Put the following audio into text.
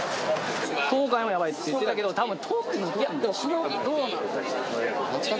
東海もやばいって言ってたけど、どうなんだ。